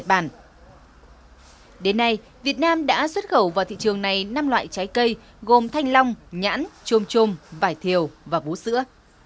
đến nay việt nam đã xuất khẩu vào thị trường này năm loại trái cây gồm thanh long nhãn trôm trôm vải thiều và bú sữa